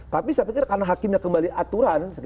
tapi saya pikir karena hakimnya kembali aturan